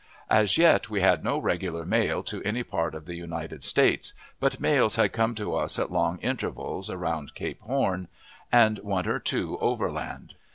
As yet we had no regular mail to any part of the United States, but mails had come to us at long intervals, around Cape Horn, and one or two overland.